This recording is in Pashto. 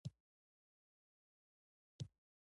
هغه د دې جوګه کوي چې د پيسو ګټل زده کړي.